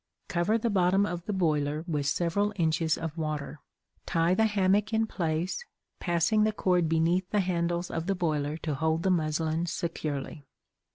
Cover the bottom of the boiler with several inches of water; tie the hammock in place, passing the cord beneath the handles of the boiler to hold the muslin securely.